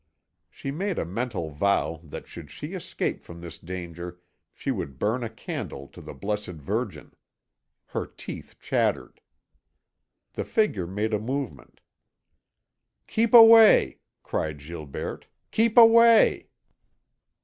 She made a mental vow that should she escape from this danger she would burn a candle to the Blessed Virgin. Her teeth chattered. The figure made a movement. "Keep away!" cried Gilberte. "Keep away!"